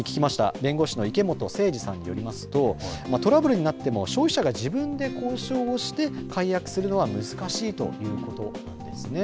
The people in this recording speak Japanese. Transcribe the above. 弁護士の池本誠司さんによりますとトラブルになっても消費者が自分で交渉をして解約するのは難しいということなんですね。